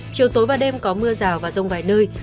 chiều tối và đêm có mưa rào và rông vài nơi